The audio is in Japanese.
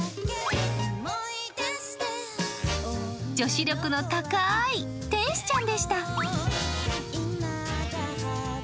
女子力の高い天使ちゃんでした。